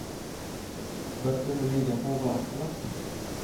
Bir kuni menga qo`g`iroq qilib